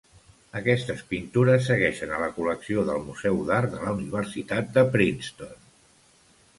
Aquestes pintures segueixen a la col·lecció del Museu d'Art de la Universitat de Princeton.